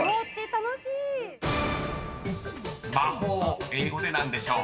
［魔法英語で何でしょう？